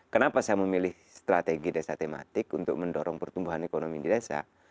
kenapa saya memilih strategi desa tematik untuk mendorong pertumbuhan ekonomi di desa